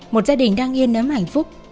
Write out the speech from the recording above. một gia đình đang yên nắm hạnh phúc